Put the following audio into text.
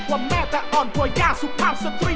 ปะนิ่มทำได้ไหมแบบนี้